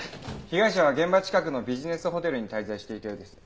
被害者は現場近くのビジネスホテルに滞在していたようです。